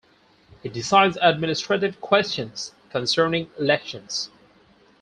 He decides administrative questions concerning elections.